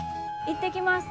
行ってきます。